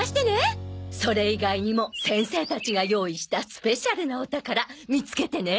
それ以外にも先生たちが用意したスペシャルなお宝見つけてね。